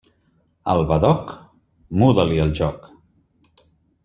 Al badoc, muda-li el joc.